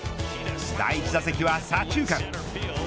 第１打席は左中間。